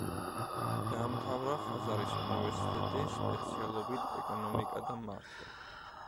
დაამთავრა ხაზარის უნივერსიტეტი სპეციალობით „ეკონომიკა და მართვა“.